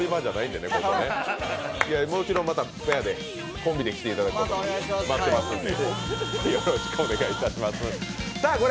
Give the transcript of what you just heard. もちろんペアでコンビで来ていただいて、待ってますので。